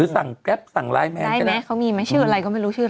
ทั้งสิ